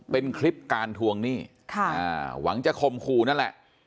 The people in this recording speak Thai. เป็นคลิปการทวงหนี้หวังจะคมคู่นั่นแหละ